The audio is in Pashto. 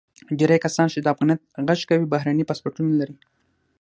ډیری کسان چې د افغانیت غږ کوي، بهرني پاسپورتونه لري.